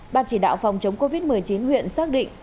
ban chỉ đạo phòng chống covid một mươi chín huyện xác định